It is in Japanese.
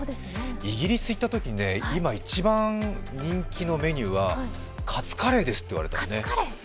イギリス行ったときに今一番人気のメニューはカツカレーですって言われたのね。